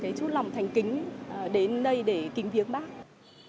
và muốn tỏ chút lòng thành kính đến đây để kinh tế của chúng tôi